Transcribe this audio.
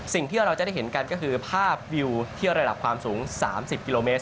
สิ่งที่เราจะได้เห็นกันก็คือภาพวิวที่ระดับความสูง๓๐กิโลเมตร